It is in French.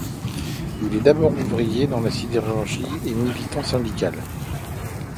Il est d’abord ouvrier dans la sidérurgie et militant syndical.